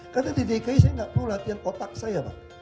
karena di dki saya nggak perlu latihan otak saya pak